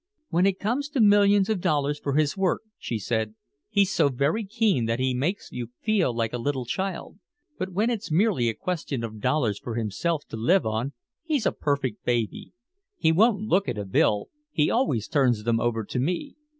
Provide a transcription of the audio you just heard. "When it comes to millions of dollars for his work," she said, "he's so very keen that he makes you feel like a little child. But when it's merely a question of dollars for himself to live on, he's a perfect baby. He won't look at a bill, he always turns them over to me.